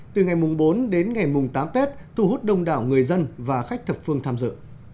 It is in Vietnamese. từ ngày bốn đến ngày tám tết thu hút đông đảo người dân và khách thực phương tham dự